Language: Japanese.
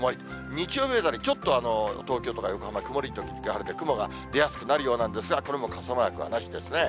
日曜日あたりから、東京とか横浜、曇り時々晴れで、雲が出やすくなるようなんですが、これも傘マークはなしですね。